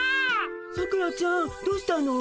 さくらちゃんどうしたの？